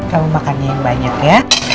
kamu makan yang banyak ya